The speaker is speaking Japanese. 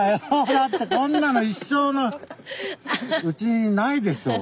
だってそんなの一生のうちにないでしょう。